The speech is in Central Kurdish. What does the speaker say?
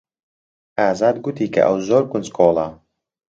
ئازاد گوتی کە ئەو زۆر کونجکۆڵە.